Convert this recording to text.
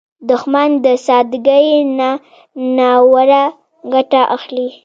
دښمن د سادګۍ نه ناوړه ګټه اخلي